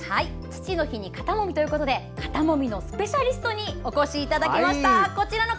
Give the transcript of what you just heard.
父の日に肩もみということで肩もみのスペシャリストにお越しいただきました。